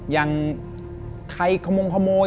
อย่างใครขมงขโมย